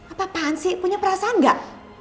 apaan sih punya perasaan gak